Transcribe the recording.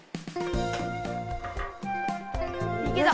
いけた！